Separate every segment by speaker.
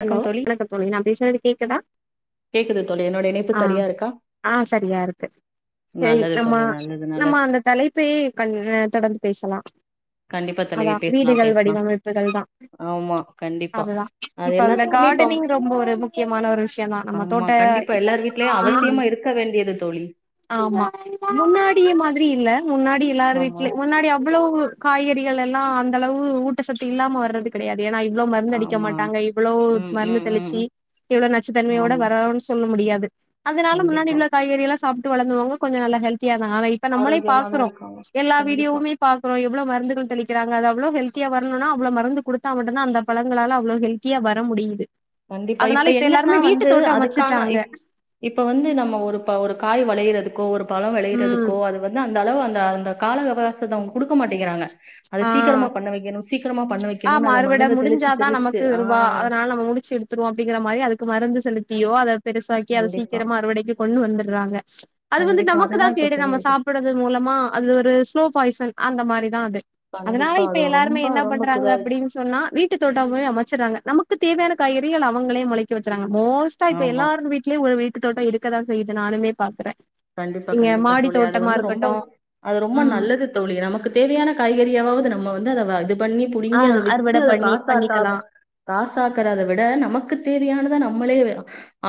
Speaker 1: Hello வணக்க தோழி நான் பேஸ் றது கேக்குதா
Speaker 2: கேக்குது தோழி என்னோட இணைப்பு
Speaker 1: அ
Speaker 2: சரியா இருக்கா
Speaker 1: ஆ சரியாருக்கு சேரி
Speaker 2: நல்லது
Speaker 1: நம்மா
Speaker 2: தோழி நல்லது
Speaker 1: நம்மா
Speaker 2: நல்லது
Speaker 1: அந்த தலைப்பயே கன் னு தொடர்ந்து பேசலா
Speaker 2: கண்டிப்பா தலைவி
Speaker 1: அதா
Speaker 2: பேஸ்லா
Speaker 1: வீடுகள்
Speaker 2: பேஸ்லா
Speaker 1: வடிவமைப்புகள் தா
Speaker 2: ஆமா கண்டிப்பா
Speaker 1: அதுதா
Speaker 2: அது
Speaker 1: இப்ப அந்த
Speaker 2: எல்லாத்துக்குமே இப்ப
Speaker 1: கார்டனிங் ரொம்ப ஒரு முக்கியமான ஒரு விஷ்யந்தா நம்ம
Speaker 2: ஆமா
Speaker 1: தோட்ட
Speaker 2: கண்டிப்பா எல்லார் வீட்லயு
Speaker 1: ம்
Speaker 2: அவசியமா இருக்க வேண்டியது தோழி
Speaker 1: ஆமா முன்னாடிய மாத்ரி இல்ல முன்னாடி எல்லாரு
Speaker 2: ஆமா
Speaker 1: வீட்ல முன்னாடி அவ்ளோவு காய்கறிகள் எல்லா அந்தளவு ஊட்டசத்து இல்லாம வர்றது கெடையாது ஏனா இவ்ளோ மருந்து
Speaker 2: ஆமா
Speaker 1: அடிக்கமாட் நாங்க இவ்ளோ
Speaker 2: ம்
Speaker 1: மருந்து
Speaker 2: ம் ம்
Speaker 1: தெளிச்சி
Speaker 2: ம்.
Speaker 1: இவ்ளோ நச்சுத்தன்மையோட
Speaker 2: ஆமா
Speaker 1: வரவ்னு சொல்ல முடியாது அதனால முன்னாடி
Speaker 2: கண்டிப்பா
Speaker 1: உள்ள காய்கறியலா சாப் டு வளந்துவாங்க கொஞ்ச நல்லா ஹெல்ப் கியானா இப்ப நம்மளே
Speaker 2: ஆரோக்கியமாதா
Speaker 1: பாக்குறோ
Speaker 2: இருக்காங்க
Speaker 1: எல்லா
Speaker 2: கண்டிப்பா
Speaker 1: வீடியோவுமே பாக்குறோ எவ்ளோவர் மருந்துகள் தெளிக்ராங்க அது அவ்ளோ ஹெல்த்தியா வரணுனா அவ்ளோ மருந்து குடுத்தா மட்டுந்தா அந்த பழங்களால அவ்ளோ ஹெல்த் தியா வர முடியுது
Speaker 2: கண்டிப்பா
Speaker 1: அதனால
Speaker 2: இப்ப என்னனா
Speaker 1: எல்லாருமே வீட்டு
Speaker 2: வந்து
Speaker 1: தோட்டோ
Speaker 2: அதுக்கான
Speaker 1: அமைச்சிட்டாங்க
Speaker 2: இப் இப்ப வந்து நம்ம ஒரு ஒரு காய் வளையறதுக்கோ ஒரு பழம்
Speaker 1: ம்
Speaker 2: வெளையறதுக்கோ அது வந்த் அந்த அளவு அந்த அந்த கால அவகாசத்த அவுங்க குடுக்க மாட்டேங்கிறாங்க அத
Speaker 1: ஆ
Speaker 2: சீக்கிரமா பண்ண வெக்கணோ சீக்கிரமா பண்ண வெக்கணோ
Speaker 1: ஆமா
Speaker 2: அத
Speaker 1: அறுவட
Speaker 2: மருந்த தெளிச்சு
Speaker 1: முடிஞ்சாதான்
Speaker 2: தெளிச்சு ஆ
Speaker 1: எடுத்துக்குவோ அப்டீங்குற மாரி அதுக்கு மருந்து செலுத்தியோ அத பெருசாக்கி அதை
Speaker 2: கண்டிப்பா,
Speaker 1: சீக்கிரமா அறுவடைக்கு கொண்டு வந்துடுறாங்க அது வந்து
Speaker 2: கண்டிப்பா.
Speaker 1: நமக்கு தா
Speaker 2: அதுதான் இப்ப
Speaker 1: கேடு நம்ம
Speaker 2: பெரிய இது.
Speaker 1: சாப்பிடுறது மூலமா அது ஒரு ஸ்லோ பாய்சன் அந்த மாரி இப்டிதா அது அதனால
Speaker 2: கண்டிப்பா.
Speaker 1: இப்ப
Speaker 2: அது
Speaker 1: எல்லாருமே
Speaker 2: ரொம்ப
Speaker 1: என்ன
Speaker 2: ரொம்ப
Speaker 1: பண்றாங்க
Speaker 2: இதாயிடுச்சு.
Speaker 1: அப்படின்னு சொன்னா வீட்டு தோட்டம அமைச்சறாங்க நமக்கு தேவையான காய்கறிகள் அவுங்கள மொளைக்க வெச்சுறாங்க மோஸ்டா இப்ப
Speaker 2: ஆமா.
Speaker 1: எல்லார் வீட்லயு ஒரு வீ தோட்டம் இருக்கதா செய்யுது நானுமே பாக்குற
Speaker 2: கண்டிப்பா கண்டிப்பா தோழி அது வந்து ரொம்ப அது ரொம்ப
Speaker 1: ம்
Speaker 2: நல்லது தோழி நமக்கு தேவையான காய் ஏரியாவது நம்ம வந்து வ இதுப் பண்ணி
Speaker 1: ஆ
Speaker 2: புடுங்கி அத வித்து
Speaker 1: அறுவட
Speaker 2: அத
Speaker 1: பண்ணி
Speaker 2: காசாக்க
Speaker 1: பண்ணிக்கலாம்
Speaker 2: காசாக்குறத விட நமக்கு தேவையானத நம்மளே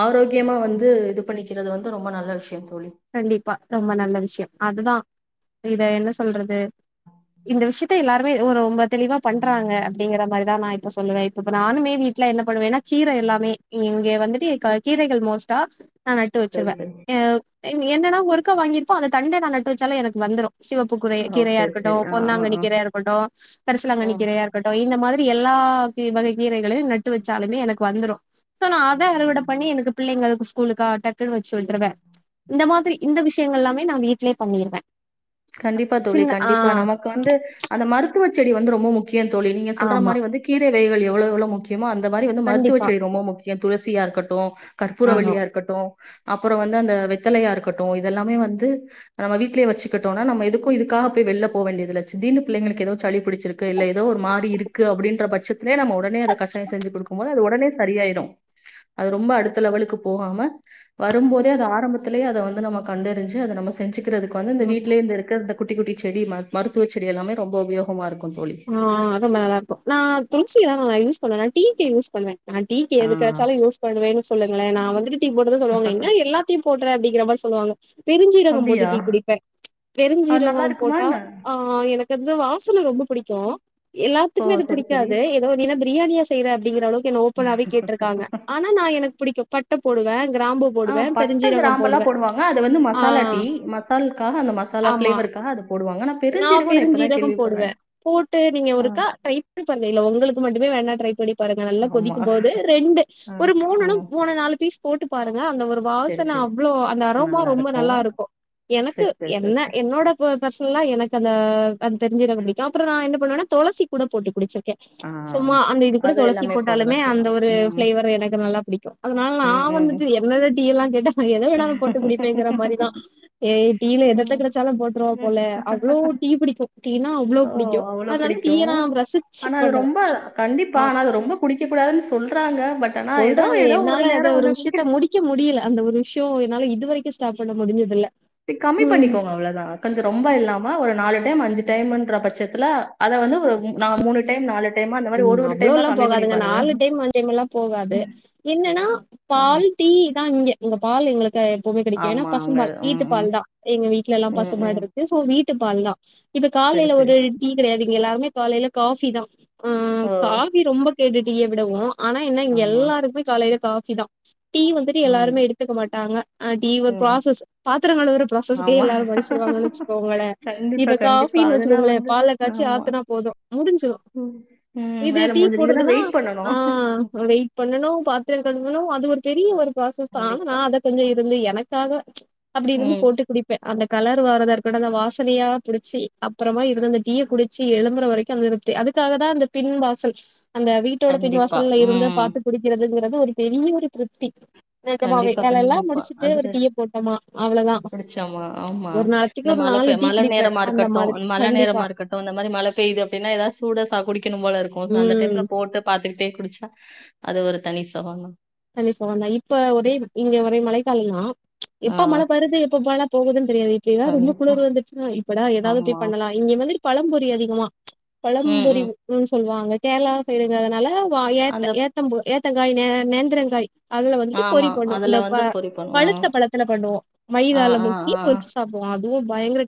Speaker 2: ஆரோக்கியமா வந்து இது பண்ணிக்கிறது வந்து ரொம்ப நல்ல விஷயோ தோழி
Speaker 1: கண்டிப்பா ரொம்ப நல்ல விஷயோ அதுதா இத என்ன சொல்றது இந்த விஷயத்த எல்லாருமே ஒரு ரொம்ப தெளிவா பண்றாங்க அப்டிங்கற மாரி அதா நா இப்ப சொ சொல்லுவ இப்ப நானுமே வீட்ல என்ன பண்ணுவேனா கீர எல்லாமே இங்க வந்து கீரை காய் கீரைகள் மோஸ்டா நான் நட்டு
Speaker 2: சரி
Speaker 1: வெச்சிருவ
Speaker 2: சரி
Speaker 1: என்னன்னா ஒர்க்கா வாங்கிருப்போ அந்த தண்ட தா நட்டு வெச்சாலோ எனக்கு வந்துரோ சிவப்பு குரைய
Speaker 2: ஓ
Speaker 1: கீரையா
Speaker 2: சரி
Speaker 1: இருக்கட்டோ
Speaker 2: சரி ஆ ஆ
Speaker 1: பொன்னாங்கன்னி
Speaker 2: ஆ
Speaker 1: கீரையா இருக்கட்டோ
Speaker 2: ஆ
Speaker 1: கரிசலாங்கனி கீரையா இருக்கட்டோ இந்த மாரி எல்லா கீ வகை கீரைகளையும் நட்டு வெச்சாலுமே எனக்கு வந்துரோ சோ நான் அத அறுவட பண்ணி எனக்கு பிள்ளைங்களுக் ஸ்கூலுக்கா டக்குன்னு வெச்சு விட்றுவ இந்த மாதிரி இந்த விஷயங்கள் எல்லாமே நான் வீட்லேயே பண்ணிருவே
Speaker 2: கண்டிப்பா தோழி கண்டிப்பா நமக்கு வந்து அந்த மருத்துவ செடி வந்து ரொம்ப முக் கியம் தோழி நீங்க சொல்ற
Speaker 1: ஆமா
Speaker 2: மாரி வந்து கீரை வகைகள் எவ் எவ்ளோ எவ்ளோ முக்கியமோ அந்த மாரி வந்து மருத்துவ
Speaker 1: கண்டிப்பா
Speaker 2: செடி ரொம்ப முக்கிய துளசி சியா இருக்கட்டும்
Speaker 1: ஆமா.
Speaker 2: கற்பூரவள்ளியா இருக்கட்டும் அப்போறோ வந்து அந்த வெத்தலையா இருக்கட்டும் இதெல்லாமே வந்து நம்ம வீட்லயே வச்சி கிட்டோன நம்ம எதுக்கும் இதுக்காக போய் வெல்ல போவ் வேண்டியதில்ல திடிர்னு புள்ளேங்ளுக்கு எதோவ்து சளி புடிச்சிருக்கு இல்ல எதோ ஒரு மாரி இருக்கு அப்புடின்றப் பச்சத்திலே நம்ம ஒடனே அதை கசாயம் செஞ்சு குடுக்கும் போது அது ஒடனே சரியாயிடும் அது ரொம்ப அடுத்த லெவலுக்கு போகாம வரும்போதே அது ஆரம்பத்திலேயே அத வந்து நம்ம கண்டெறிஞ்சு அத நம்ம செஞ்சிக் கிறதுக்கு வந்து இந்த
Speaker 1: ஆமா.
Speaker 2: வீட் ர்க அந்த குட்டி குட்டி செடி மர்த் மருத்துவ செடி எல்லாமே ரொம்ப உபயோகமாக இருக்கு
Speaker 1: ஆஹ் அதும் நல்லாருக்கு நா துள்சி எதாவ் ஆஹ் யூஸ் பண்ணேனா டீக்கு யூஸ் பண்வேன் நா டீக்கு
Speaker 2: ஆ
Speaker 1: எதுக்காட்ச்சாலும் யூஸ் பண்ணுவேன்னு சொல்லுங்களேன் நா வந்துட்டு டீ போடுதா சொல்லுவாங்க என்ன எல்லா டீ போட்றேன் அப்டிங்கிற மாரி சொல்லுவாங்க பெருஞ்சீரகம் போட்டு
Speaker 2: அப்டியா
Speaker 1: டீ குடிப்பேன்
Speaker 2: அது நல்லா
Speaker 1: பெருஞ்சீரகம்
Speaker 2: இருக்குமா
Speaker 1: போட்டா
Speaker 2: என்ன
Speaker 1: ஆஹ் எனக்கந்த வாஸ்சன ரொம்பப் புடிக்கும்
Speaker 2: ஓ
Speaker 1: எல்லாத்துக்குமே அது
Speaker 2: சரி சரி
Speaker 1: புடிக்காது எதோ நீ என்ன பிரியாணியா செய்ற அப்டிங்கற அளவுக்கு என்ன ஓப்பனாவே கேட்ருக்காங்க ஆனா நா எனக் புடிக்கும் பட் ட்டபோடுவேன்
Speaker 2: ஆஹ் பட்ட கிராம்பெல்லா போடுவாங்க அத வந்து
Speaker 1: ஆ
Speaker 2: மசாலா டீ மசால்க்காக அந்த மசாலா
Speaker 1: ஆமா.
Speaker 2: ஃபிளேவருக்காக அதப் போடுவாங்க ஆனா
Speaker 1: நா
Speaker 2: பெருஞ்சீரகோ இப்பதா
Speaker 1: பெருஞ்ஜீரகம்
Speaker 2: கேள்விப்பட்றே
Speaker 1: போடுவேன் போட்டு நீங்க
Speaker 2: ஆ
Speaker 1: ஒருக்கா ட்ரை பண்ணிப் பாருங்க உங்களுக்கு மட்டுமே வேண்ணா ட்ரைப் பண்ணி பாருங்க நல்லா
Speaker 2: ஆமா
Speaker 1: கொதிக்கும் போது ரெண்டு
Speaker 2: ஆ
Speaker 1: ஒரு
Speaker 2: ஆ
Speaker 1: மூணுனும் மூணு நாலு பீஸ் போட்டு பாருங் க அந்த ஒரு
Speaker 2: சரி
Speaker 1: வாசன
Speaker 2: சரி
Speaker 1: அவ்ளோ அந்த அரொமா ரொம்ப நல்லா இருக்கும் எனக்கு
Speaker 2: சரி சரி சரி
Speaker 1: என்ன
Speaker 2: சரி
Speaker 1: என்னோட போ ஃபர்ஸ் ஆஹ் எனக்கந்த அந்த் பெருஞ்ஜீரகம் புடிக்கும் அப்பொற நா என்ன பண்ணுவனா தொளசி கூட போட்டுக் குடிச்சிர் க
Speaker 2: ஆ
Speaker 1: சும்மா அந்த இது கூட
Speaker 2: அது
Speaker 1: தொளசி
Speaker 2: எல்லாமே போடதா
Speaker 1: போட்டாலுமே அந்த
Speaker 2: செய்வாங்க
Speaker 1: ஒரு
Speaker 2: ம்
Speaker 1: ஃபிளேவரு எனக்கு நல்லாப் புடிக்கும் அதனால நா
Speaker 2: ம் ம்
Speaker 1: வந்துட்டு என்னோட டீயெல்லா கேட்டா நா எத வேணாலும் போட்டு குடிப்பேங்கற மாரிதான் ஏய் டீயில என்னத்த
Speaker 2: ம்
Speaker 1: கெடச்சாலும் போட்டுறோம் போல அவ்ளோ டீ புடிக்கும் டீனா அவ்ளோ
Speaker 2: ஓ
Speaker 1: புடிக்கும்
Speaker 2: அவ்ளோ
Speaker 1: அத்னால
Speaker 2: பிடிக்கு
Speaker 1: டீய நா ரசி
Speaker 2: ஆனா அது ரொம்ப கண்டிப்பா ஆனா அது ரொம்ப குடிக்க கூடாதுன்னு சொல்றாங்க பட் ஆனா எதோ
Speaker 1: சொல்றாங்க
Speaker 2: எதோ ஒரு
Speaker 1: என்னால அத
Speaker 2: நேரம் ஒன்னா குடிக்க
Speaker 1: விஷயத்த முடிக்க முடியல. அந்த ஒரு விஷயம் என்னால இது வரைக்கும் ஸ்டாப் பண்ண முடிஞ்சதுல்ல
Speaker 2: கம்மி பண்ணிக்கோங்க அவ்ளோதான் இது ரொம்ப இல்லாம ஒரு நாலு டைம் அஞ்சு டைமுன்ற பட்சத்துல அத வந்து ஒர் ம் நா மூணு டைம் நாலு டைமா அந்த மாரி
Speaker 1: உம்
Speaker 2: ஒரு ஒரு டைமா
Speaker 1: அவ்ளோல்லாம்
Speaker 2: கம்மி பண்ணி
Speaker 1: போகாதுங்க
Speaker 2: பாருங்க
Speaker 1: நாலு டைம் அஞ்சைமெல்லா போகாது என்னன்னா
Speaker 2: ஆஹா
Speaker 1: பால் டீ தா இங்க இங்க பால் எங்களுக் எ எப்பமே கெடக்கு ஏன்னா
Speaker 2: ஆமா அவங்க
Speaker 1: பசும்பால் வீட்டு
Speaker 2: ம் ம்
Speaker 1: பால் தா எங்க வீட்ல எல்லா
Speaker 2: ம் ம்
Speaker 1: பசுமாட்ருக்கு சோ வீட் ட்டுப் பால்தா இப்ப
Speaker 2: சரி
Speaker 1: காலைல
Speaker 2: சரி
Speaker 1: ஒரு டீ கடயாது எல்லாருமே காலைல காஃபி தா ம் ம்
Speaker 2: ஓ
Speaker 1: காஃபி ரொம்பக் கேட்டு டீய விடவோ ஆனா என்ன இங்க
Speaker 2: ஆமா
Speaker 1: எல்லாருக்மே காலைல காப் சிதா டீ வந்துட்டு
Speaker 2: ம்
Speaker 1: எல்லாருமே எடுத்துக்க மாட்டாங்க அ டீ ஒரு
Speaker 2: ம்
Speaker 1: ப்ராசஸ் பாத்தரகங்ழுவுற ஒரு ப்ராசஸுக்கே
Speaker 2: ஆமா.
Speaker 1: எல்லாரு பை சொல்லுவாங்கன்னு வச்சுக்கோங்கள
Speaker 2: கண்டிப்பா,
Speaker 1: இப்ப
Speaker 2: கண்டிப்பா.
Speaker 1: காஃபின்னு
Speaker 2: அதுனா
Speaker 1: வச்சுக்கோங்களே
Speaker 2: வந்து
Speaker 1: பால காச்சி
Speaker 2: ஆமா.
Speaker 1: ஆத்துனா போது முடிஞ்சிரு
Speaker 2: ம். ம்.
Speaker 1: இது
Speaker 2: வேலை
Speaker 1: டீ
Speaker 2: முடிஞ்சுது. இதுனா
Speaker 1: போட்றதுனா
Speaker 2: வெயிட்
Speaker 1: ஆ
Speaker 2: பண்ணணும். ம்.
Speaker 1: வெயிட் பண்ணனு பாத்ரங்கழுவ் உன்னு அது ஒரு பெரிய ஒர் ப்ராசஸ் தா ஆனா நா
Speaker 2: கண்டிப்பா.
Speaker 1: அத கொஞ்ச இர் இல்லு எனக்காக அப்டி இருந்து
Speaker 2: ம்.
Speaker 1: போட்டு குடிப்பே அந்த கலரு வறதா இருக்கட் அந்த வாசனயா புடுச்சி அப்புறமா இருத் அந்த டீய குடுச்சி எழும்புற வரக்கு அந்த இருப்த்தி அதுக்காக தா அந்த பின் வாசல் அந்த வீட்டோட
Speaker 2: கண்டிப்பா.
Speaker 1: பின்வாசல்ல இருந்து
Speaker 2: ம்.
Speaker 1: பாத்து குடிக்கிறதில்ல தது ஒரு பெரிய ஒரு திருப்தி நெஜமாவே
Speaker 2: கண்டிப்பா
Speaker 1: வேலல்லா
Speaker 2: கண்டிப்பா
Speaker 1: முடிச்சுட்டு
Speaker 2: அதுர
Speaker 1: ஒரு டீய போட்டோமா அவ்ளதா
Speaker 2: புடுச்சாமா ஆமா
Speaker 1: ஒரு நாளைக்கு
Speaker 2: இந்த
Speaker 1: ஒரு
Speaker 2: மழ
Speaker 1: நாலு
Speaker 2: பே
Speaker 1: டீ
Speaker 2: மழ
Speaker 1: குடிப்பே
Speaker 2: நேரமா
Speaker 1: அந்த
Speaker 2: இருக்கட்டு
Speaker 1: மாதிரி
Speaker 2: மழ நேரமா
Speaker 1: கண்டிப்பா
Speaker 2: இருக்கட்டு இந்த மாரி மழ பேய்து அப்டின்னா ஏதாவ் சூட சா குடிக் கின்ம்போல இருக்கு அந்த
Speaker 1: ம்
Speaker 2: டைம்ல போட்டு பாக் பாத்துக்கிட்டே குடுச்சா அத ஒரு தனி சொகொந்தா
Speaker 1: தந்திசவா ந இப்ப ஒரே இங்க ஒரே மழைக்காலந்தா
Speaker 2: ஆ
Speaker 1: எப்ப மழ வருது எப்ப பால போகுதுன் தெரியாது இப்ப எதா ரொம்ப
Speaker 2: கண்டிப்பா.
Speaker 1: குளிர் வந்துச்சுன்னா இப்படா ஏதாவ்து போயி
Speaker 2: ஆமா.
Speaker 1: பண்ணலா இங்க வந்துட்டு பழம் பொரி அதிகமா
Speaker 2: ம்,
Speaker 1: பழம்பொரி
Speaker 2: ம்.
Speaker 1: உப்பு சொல்வாங்க கேர்ளா சைடுங்குறதுனால வா ஏத்த
Speaker 2: அந்த
Speaker 1: ஏத்தம்பு ஏத் தங்காய் நெ நெந் திரங்காய் அதுல வந்துட்டு பொரி
Speaker 2: ஆமா.
Speaker 1: பண்ணு
Speaker 2: அதுல
Speaker 1: இந்த ப
Speaker 2: வந்து பொரி பண்ணுவோம்.
Speaker 1: பழுத்த பழத்துல பண்ணுவோ மைதால முக்கி பொறிச்சி சாப்டுவோ அத்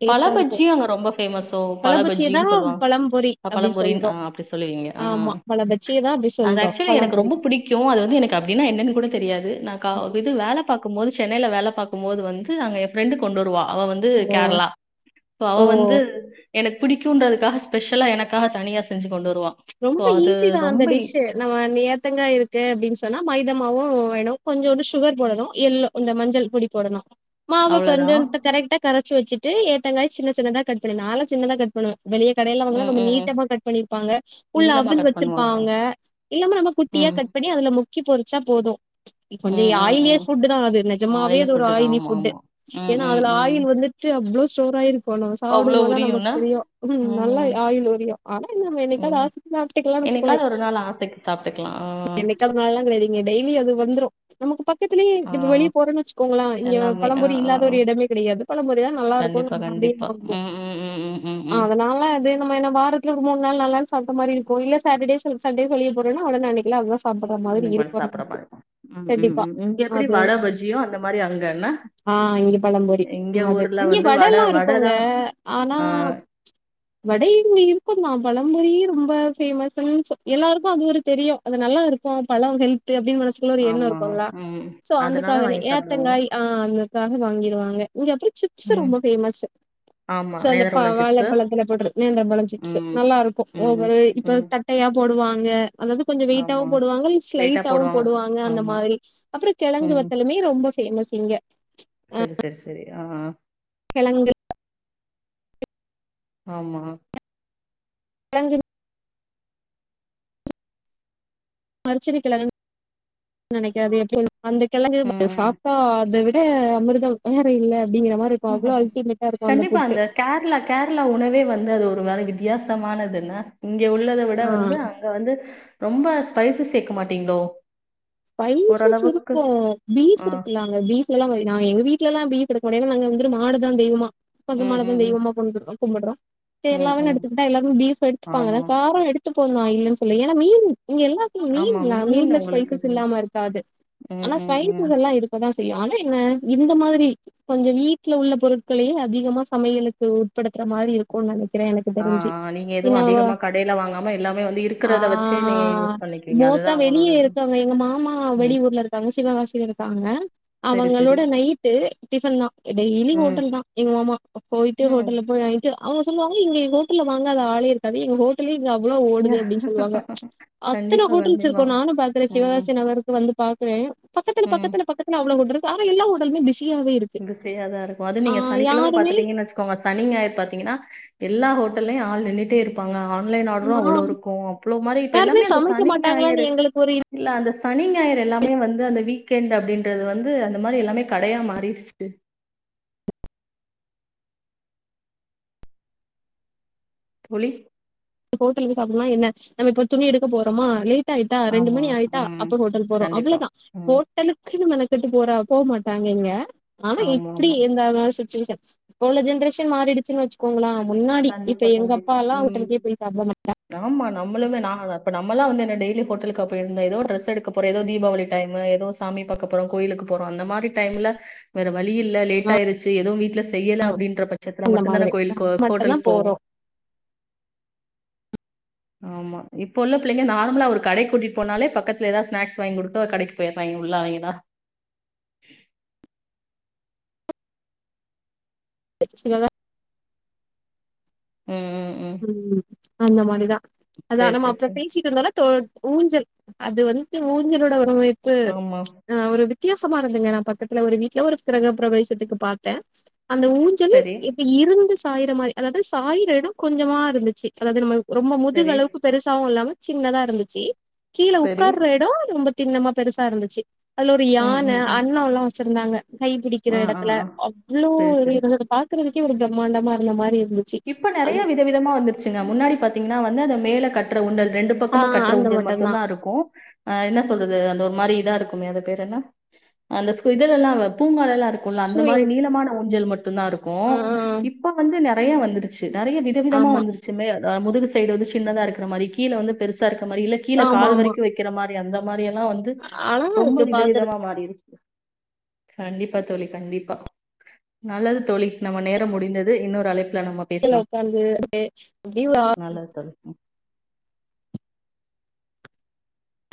Speaker 2: பழபஜ்ஜியு அங்க ரொம்ப பேமஸோ
Speaker 1: பழபஜ்ஜிய
Speaker 2: பழபஜ்ஜின்னு
Speaker 1: தான் பழம்பொரி
Speaker 2: சொல்லுவாங்க
Speaker 1: அப்படி
Speaker 2: பழம்பொறி ன்னு
Speaker 1: சொல்றோம்
Speaker 2: அப்படி சொல்லுவீங்க ஆ
Speaker 1: ஆமா பழபஜ்ஜிய தான் அப்படி
Speaker 2: அது
Speaker 1: சொல்றோம்
Speaker 2: ஆக்சுவலி எனக்கு
Speaker 1: பழம்பொரி
Speaker 2: ரொம்ப புடிக்கூ அது வந்து எனக்கு அப்டி னா என்னன்னு கூட தெரியாது நா
Speaker 1: ம்
Speaker 2: இது வேல பாக்கு மோது சென்னயில வேலை பாக்கும்போது வந்து அங்க என் பிரெண்டு கொண்டு வருவா அவ வந்து
Speaker 1: ஓ
Speaker 2: கேரளா இப்ப அவ
Speaker 1: ஓ
Speaker 2: வந்து எனக்கு பிடிக்குன்றதுக்காக ஸ்பெஷலா எனக்காக தனியா செஞ்சு கொண்டு வ
Speaker 1: ரொம்ப ஈஸிதா அந்த டிஷ்ஷு நம்ம நேத்தங்கா இருக்கு அப்படின்னு சொன்னா மைதாமாவு வேணு கொஞ்சோன்டு சுகர் போடணு எல்லோ இந்த மஞ்சள் பொடி போடணு மாவு
Speaker 2: அவ்ளோதான்.
Speaker 1: கொஞ்சத்த கரெக்டா கரச்சு வெச் ட்டு ஏத்தங்காய் சின்ன சின்னதா கட் பண்ணு நால்லா சின்னதா கட் பண்ணுவ வெளிய கடையில வாங்கனா
Speaker 2: ம்,
Speaker 1: நம்ம
Speaker 2: ம், ம்.
Speaker 1: நீட்டா கட் பண்ணிருப்பாங்க உள்ள
Speaker 2: நீளமா
Speaker 1: அவுள்
Speaker 2: கட் பண்ணுவாங்க.
Speaker 1: வெச்சிருப்பாங்க இல்லாம நம்ம குட்டியா
Speaker 2: ம்,
Speaker 1: கட் பண்ணி அதுல முக்கி பொறிச்சா போது ப்ச் கொஞ்சோ
Speaker 2: ம், ம்,
Speaker 1: ஆயிலியே
Speaker 2: ம்.
Speaker 1: ஃபுட்டுதா அது நிஜமாவே
Speaker 2: ஆயிலி
Speaker 1: அது ஒரு
Speaker 2: ஃபுட்டு தான்.
Speaker 1: ஆயிலி
Speaker 2: ஆமா,
Speaker 1: ஃபுட்டு
Speaker 2: ஆமா. ம்,
Speaker 1: ஏன்னா
Speaker 2: ம்,
Speaker 1: அதுல
Speaker 2: ம்.
Speaker 1: ஆயில் வந்துட்டு அவ்ளோ சோர் ஆயிரு போ சாப்பிடும்
Speaker 2: அவ்ளோ
Speaker 1: போதா நமக்கு
Speaker 2: உரியும்ல?
Speaker 1: தெரியு ம் நல்லா ஆயில் உரியு ஆனா என்ன நம்ம எதாவது
Speaker 2: ம்.
Speaker 1: ஆசைக்குனா
Speaker 2: என்னைக்காவது ஒரு
Speaker 1: [unintelligible]
Speaker 2: நாள் ஆசைக்கு சாப்ட்டுக்கலாம். ஆ,
Speaker 1: நீ என்னைக்காது ஒரு நாள்னா விடுவீங்க டெய்லி அது வந்துரு நமக்கு ப பக்கத்துலயே
Speaker 2: ஆ,
Speaker 1: வெளிய போறேன்னு வெச்சுக்கோங்களே இங்க
Speaker 2: எல்லாமே. ஆ,
Speaker 1: பழம்புரி
Speaker 2: ஆ,
Speaker 1: இல்லாத
Speaker 2: ஆ.
Speaker 1: ஒரு இடமே கிடையாது பழம்புரிதா நல்லா இருக்கு
Speaker 2: கண்டிப்பா,
Speaker 1: நம்ம நம்பி
Speaker 2: கண்டிப்பா.
Speaker 1: வாங்குவோ
Speaker 2: ம், ம், ம், ம், ம்,
Speaker 1: ஆ
Speaker 2: ம்.
Speaker 1: அதனால அதிகமா என்ன வாரத்துல ஒரு மூணு நாள் நாலு நாள் சொல்ற மாரி இருக்கு இல்ல சாட்டர்டே ச சண்டே வெளில போறோனா அவ்ளதா அன்னைக்கெல்லா அதா சாப் சாப்பிட மாரி
Speaker 2: அன்னைக்கு மட்டும் சாப்பிடுற
Speaker 1: இருக்கு
Speaker 2: மாரி இருக்கும். ம், ம்,
Speaker 1: கண்டிப்பா
Speaker 2: ம். இங்க எப்படி
Speaker 1: அது
Speaker 2: வடை, பஜ்ஜியோ அந்த மாரி அங்க என்ன?
Speaker 1: ஆஹ் இங்க பழம்புரி
Speaker 2: எங்க
Speaker 1: அது
Speaker 2: ஊர்ல
Speaker 1: இங்க
Speaker 2: வந்து
Speaker 1: வட
Speaker 2: வடை
Speaker 1: எல்லா
Speaker 2: வடை
Speaker 1: இருக்குங்க
Speaker 2: தான்.
Speaker 1: ஆனா
Speaker 2: ஆ,
Speaker 1: வட இருக்குந்தா பழம்புரி ரொம்ப பேமஸ்ன்னு சொ எல்லாருக்கு அது ஒரு தெரியு அது நல்லா இருக்கு பழோ ஹெல்த் ட்டு அப்படின்னு மனசுக்குள்ள ஒரு எண்ணோ
Speaker 2: ஆமா.
Speaker 1: இருக்குல்ல
Speaker 2: ம்.
Speaker 1: சோ
Speaker 2: அதனால
Speaker 1: அதுக்காக
Speaker 2: வாங்கி சாப்பிடுவாங்க.
Speaker 1: ஏத்தங்காய் ஆ அந்த க்காக வாங்கிருவாங்க இங்க அப்படியே சிப்ஸ்ஸு
Speaker 2: ம்.
Speaker 1: ரொம்ப பேமஸ்ஸு
Speaker 2: ஆமா.
Speaker 1: செ அந்த ப
Speaker 2: நேந்திரப்பழ சிப்ஸு.
Speaker 1: வாழைப்பழத்துல போடறது நேந்தரபழ சிப்ஸ்ஸு
Speaker 2: ம்.
Speaker 1: நல்லா இருக்கு
Speaker 2: ம்.
Speaker 1: ஒவ்வொரு இப்ப
Speaker 2: ம்.
Speaker 1: தட்டையா போடுவான் இங்க அதாவது கொஞ்சோ
Speaker 2: ஆமா.
Speaker 1: வெயிட்டாவும் போடுவாங்க
Speaker 2: வெயிட்டா
Speaker 1: ஸ்லைட்டாவும் போடுவாங்க அந்த
Speaker 2: ஆமா.
Speaker 1: மாரி அப்புறோ கிழங்கு
Speaker 2: ம்.
Speaker 1: வத்தலுமே ரொம்ப ஃபேமஸ் இங்க
Speaker 2: சரி சரி சரி யா
Speaker 1: கிழங்கு
Speaker 2: ஆமா
Speaker 1: வ்லங்கிரு மரிச்சின கிழங்குன்னு நெனக்கய வேப்புல் அந்த கிழங்கு மது
Speaker 2: ம்,
Speaker 1: சாப்ட்டா அத விட அமிர்தம் வேற இல்ல அப்டிங்கிற மாரி இருக்கு அவ்ளோ அல்டிமேட்டா இருக்கு
Speaker 2: கண்டிப்பா
Speaker 1: புட்டு
Speaker 2: அந்த கேர்ளா கேர்ளா உணவே வந்து அது ஒரு வித் வித்தியாசமானதுனா இங்க உள்ளத விட
Speaker 1: ஆ
Speaker 2: வந்து அங்க வந்து ரொம்ப ஸ்பைஸு சேக்க மாட்டீங்ளோ
Speaker 1: பைசஸ் இருக்கு பீஃப்
Speaker 2: ஆ.
Speaker 1: இருக்குள்ள அங்க பீஃப்லதா வரி நா எங்க வீட்லலா இப்டி கெடக் மோட எல்லா நாங்க வந்துட்டு மாடுதா தெய்வமா பசு
Speaker 2: ம்,
Speaker 1: மாடத்தா
Speaker 2: ம், ம்,
Speaker 1: தெய்வமா கொண்டுருந்தோ கும்புட்றோ து
Speaker 2: ம்,
Speaker 1: எல்லாவேன்
Speaker 2: ம்.
Speaker 1: எடுத்துக்குட்டா எல்லாரு பீப் எடுத்துப்பாங்கதா
Speaker 2: ஆமா,
Speaker 1: காரோ எடுத்துகு ப்போ நா இல்லன் சொல்ல ஏனா மீன் இங்க எல்லாத்லியி
Speaker 2: ஆமா.
Speaker 1: மீன்யா
Speaker 2: மீன்
Speaker 1: மீன்ல
Speaker 2: உங்களுக்கு
Speaker 1: ஸ்பைசஸ்
Speaker 2: இது.
Speaker 1: தில்லாம இருக்காது
Speaker 2: ம்,
Speaker 1: ஆனா
Speaker 2: ம், ம்.
Speaker 1: ஸ்பைசஸ் எல்லா இருக்கதா தி ஆனா என்ன இந்த மாதுரி கொஞ்ச வீட்ல உள்ள பொருட்கள்ளே அதிகமா சமையலுக்கு உட்படுத்துற மாரி இருக்குன் நெனை
Speaker 2: ஆஆ நீங்க எதுவு அதிகமா கடைல வாங்காம எல்லாமே வந்து
Speaker 1: ஆ
Speaker 2: இருக்கறத வச்சு நீங்க யூஸ் பண்ணிக்கிறீங்க அதுதா அவுங்களோடது
Speaker 1: ஒ எங்க மாமா வெளி ஊர்ல இருக்காங்க சிவகாசில இருக்காங்க
Speaker 2: சரி, சரி.
Speaker 1: அவங்களோட நைட்டு டிஃபன் தா டெய்லி
Speaker 2: ம்,
Speaker 1: ஹோட்டல் தா எங் மாமா போயிட்டு
Speaker 2: ம்.
Speaker 1: ஹோட்டல்ல போய் வாங்கிட்டு அவுங்க சொல்வாங்க எங்கி ஹோட்டல்லல வாங்காத ஆளே இருக்காது எங்க ஹோட்டலே இங்க அவ்வுளோ ஓடுது அப்டின் சொல்வாங்க அத்தன
Speaker 2: கண்டிப்பா,
Speaker 1: ஹோட்டல்ஸ்
Speaker 2: கண்டிப்பா.
Speaker 1: இருக்கு நானு பாத்
Speaker 2: ம்,
Speaker 1: சிவகாசின் அவருக்கு வந்து பாக்குறே பக்கத்துல
Speaker 2: ம்.
Speaker 1: பக்கத்துல பக்கத்துல அவ்ளோ அ ஹோட் இருக்கு ஆன எல்லா ஹோட்டலுேமே பிஸ்
Speaker 2: பிஸியாதா இருக்கு அது நீங்க சனிக்கிழம
Speaker 1: யாருமே
Speaker 2: பாத்துட்டீங்கன்னு வச்சுக்கோங்க சனி ஞாயிற் பாத்தீங்கன்னா எல்லா ஹோட்டல்லையு ஆள் நின்னுட்டே இருப்பாங்கா ஆன்லைன் ஆர்ரு
Speaker 1: ஆ
Speaker 2: அவ்ளோ இருக்கும் அப்ளோ மாரி இப்ப
Speaker 1: யாருமே
Speaker 2: எல்லாமே அந்த
Speaker 1: சமைக்க
Speaker 2: சனி ஞாயிறு
Speaker 1: மாட்டாங்களான்னு எங்களுக்கு ஒரு
Speaker 2: இல்ல அந்தஸ் சனி ஞாயிறு எல்லாமே வந்து அந்த வீக்கெண்ட் அப்டின்றது வந்து அந்த மாரி எல்லாமே கடையா மாறிற் ஸ்ட்டு புலி
Speaker 1: ஹோட்டலுக்கு சாப்டுமா என்ன நம்ம இப்ப துணி எடுக்க போறமா லீட் ட் ஆயிட்டா ரெண்டு
Speaker 2: ஆமா
Speaker 1: மணி ஆயிட்டா
Speaker 2: ம்
Speaker 1: அப்பர் ஹோட்டல் போறோ
Speaker 2: கண்டிப்பா
Speaker 1: அவ்ளதா
Speaker 2: ம்
Speaker 1: ஹோட்டலுக்குன் மெனக் டுட்டு போறா போ மாட்டாங்க இங்க ஆனா
Speaker 2: ஆமா
Speaker 1: இப்டி
Speaker 2: ஆமா
Speaker 1: எந்த ஆனாலு சுட் ஷுசக்ஸ் போன ஜென்ரேஷன் மாறிடுச்சுன் வச்சுக்கோங்ள முன்னாடி இப்ப
Speaker 2: கண்டிப்பா
Speaker 1: எங்க
Speaker 2: கண்டிப்பா
Speaker 1: அப்பால்லா ஊட்டலுக்கே அப முட்டா
Speaker 2: நம்மளுது நமே ந நமல்ல வந்து டெயலி ஹோட்டலுக்கா போயிருந்தம். ஏதோ டிரெஸ் எடுக்க போறோம் ஏதோ தீபாவளி டைம் ஏதோ சாமி பாக்க போறோம் கோலுக்கு போறோ அந்ததிரி டைல வேற வழியில்ல லேட் ஆயிச்சு ஏதவும் வீ்ட்ல செய்யல அப்படின்ற பட்சத்துல மட்டும் தானே கோயிலக்கு வ
Speaker 1: அதா போறோம்
Speaker 2: ஆமா இப்போ உள்ள பிள்ளைங்க நார்மலா ஒரு கடை கூட்டிட்டு போனாலே பக்கத்துல ஏதாவது ஸ்நாக்ஸ் வாங்கி குடுத்தோ கடைக்கு போய்ட்றாங்க உள்ள அவங்கதா
Speaker 1: [unintelligible]
Speaker 2: ம் ம் ம்
Speaker 1: உம் அந்தமாரிதா அதா
Speaker 2: சரி
Speaker 1: நாம
Speaker 2: சரி
Speaker 1: அப்றோ
Speaker 2: சரி
Speaker 1: பேசிட்ருந்தோல தோ ஊஞ்சல் அது வந்து ஊஞ்சலோட [unintelligible] [unintelligible]
Speaker 2: ஆமா
Speaker 1: அஹ் ஒரு வித்தியாசமா இருந்துங்க நா பக்கத்துல ஒரு வீட்டு்ல ஒரு ப்ரக ப்ரவேசத்துக்கு பாத்த அந்த ஊஞ்சலு
Speaker 2: சரி
Speaker 1: இப்ப இருந்துஸ் சாயிர மாரி அதாது சாயிர எடொ கொஞ்சமா இருந்துச்சு அதாது நம்ம ரொம்ப
Speaker 2: சரி
Speaker 1: முதுகளவுக்கு பெருசாவு இல்லாம சின்னதா இருந்துச்சி கீழ
Speaker 2: சரி
Speaker 1: உக்கார்ர எடோ நம்ப தின்னமா பெருசா இருந்துச்சி அதுல ஒரு
Speaker 2: ம்
Speaker 1: யானை
Speaker 2: ம் ம்
Speaker 1: அண்ணோல்லா சிருந்தாங்க கைபிடிக்கிற
Speaker 2: ஆ ஆ
Speaker 1: எடத்துல
Speaker 2: ஆ
Speaker 1: அவ்ளோ
Speaker 2: சரி சரி
Speaker 1: இப்டி இருந்துதுபா குறதுக்கே ஒரு ப்ரம்மாண்டமா இருந்த மாரி இருக் ந்ச்சி அதுகு
Speaker 2: துவிதமா வந்துர்ச்சுங்க முன்னாடி பாத்தீங்னா வ ந் அது மேல கற்ற உண்டல் ரெண்டு
Speaker 1: ஆ
Speaker 2: பக்கமு கட்ற
Speaker 1: அந்த
Speaker 2: ஊஞ்சல் மட்டுந்தா இருக்கு அ என்ன சொல்றது அந்த ஒரு மாரி இதாருக்கு அம்மி அது பேரென்ன அந்த ஸ்கூ இதலெல்லா வெப் பூங்காலெல்லா இருக்குல்ல அந்த மாரி
Speaker 1: ஸ்விங்
Speaker 2: நீளமான ஊஞ்சல் மட் டுந்தாருக்கு
Speaker 1: ஆ
Speaker 2: இப்ப வந்து நெற் றையா வந்துருச் நறைய விதவிதமா
Speaker 1: ஆமா
Speaker 2: வந்துருச்சுமே அ முதுகு சைடு வந்து சின்னதா இருக்குற மாரி கீழ வந்து பெருசா இருக் க்க மாரி இல்ல கீழ
Speaker 1: ஆமா
Speaker 2: கால்
Speaker 1: ஆமா
Speaker 2: வரிக்கு வக்கிற மார் ஏ அந்த மாரியா லா வந்து
Speaker 1: அழகா
Speaker 2: ரொம்ப
Speaker 1: இருக்கு
Speaker 2: விதவிதமா
Speaker 1: பாக்குறதுக்கு
Speaker 2: மாறிருச் கண்டிப்பா தோழி கண்டிப்பா நல்லது தோழி நம்ம நேரம் முடிந்தது இன்னொரு அழைப்பு
Speaker 1: ல உக்காந்து அ அ [unintelligible] வா
Speaker 2: நல்லது தோழி.